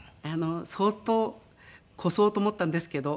そっと越そうと思ったんですけど